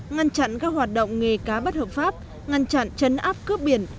ngăn chặn các hoạt động nghề cá bất hợp pháp ngăn chặn chấn áp cướp biển